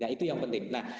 itu yang penting